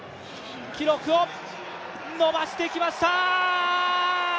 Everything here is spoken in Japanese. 記録を伸ばしてきました！